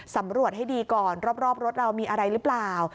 สำรวจให้ดีก่อนรอบรถเรามีอะไรหรือเปล่า